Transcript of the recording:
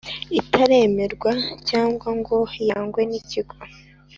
itaremerwa cyangwa ngo yangwe n Ikigo